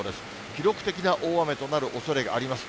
記録的な大雨となるおそれがあります。